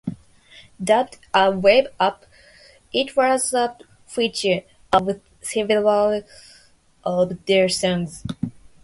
Dubbed a "rave-up", it was a feature of several of their songs.